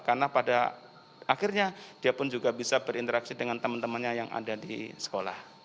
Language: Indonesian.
karena pada akhirnya dia pun juga bisa berinteraksi dengan teman temannya yang ada di sekolah